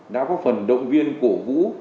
đã có phần động viên cổ vũ